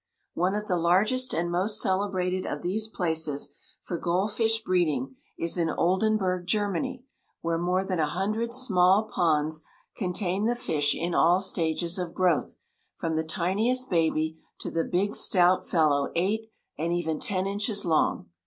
One of the largest and most celebrated of these places for gold fish breeding is in Oldenburg, Germany, where more than a hundred small ponds contain the fish in all stages of growth, from the tiniest baby to the big stout fellow eight and even ten inches long.